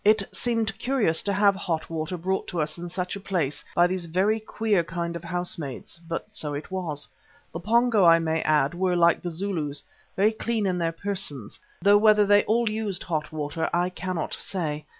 It seemed curious to have hot water brought to us in such a place by these very queer kind of housemaids, but so it was. The Pongo, I may add, were, like the Zulus, very clean in their persons, though whether they all used hot water, I cannot say.